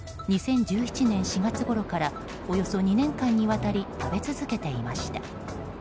２０１７年４月ごろからおよそ２年間にわたり食べ続けていました。